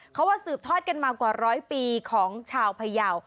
เขาว่าสืบทอดกันมากว่าร้อยปีของชาวพยาว